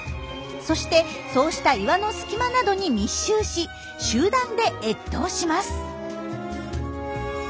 そしてそうした岩の隙間などに密集し集団で越冬します。